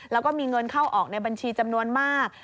แล้วก็มีเงินเข้าออกในบัญชีจำนวนมาก